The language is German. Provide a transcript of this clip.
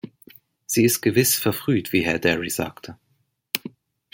Sie ist gewiss verfrüht, wie Herr Dary sagte.